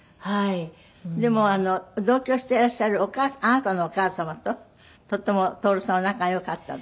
でも同居していらっしゃるあなたのお母様ととっても徹さんは仲が良かったんですって？